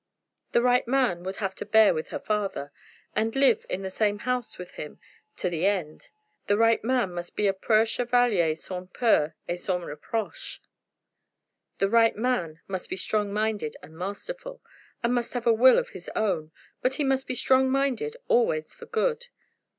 The right man would have to bear with her father, and live in the same house with him to the end. The right man must be a preux chevalier sans peur et sans reproche. The right man must be strong minded and masterful, and must have a will of his own; but he must be strong minded always for good.